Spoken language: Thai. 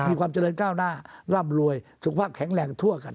มีความเจริญก้าวหน้าร่ำรวยสุขภาพแข็งแรงทั่วกัน